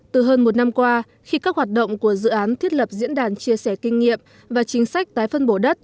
từ hơn một năm qua khi các hoạt động của dự án thiết lập diễn đàn chia sẻ kinh nghiệm và chính sách tái phân bổ đất